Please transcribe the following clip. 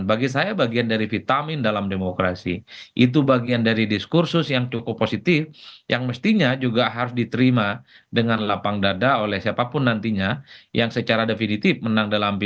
bagi saya bagian dari itu adalah yang paling penting adalah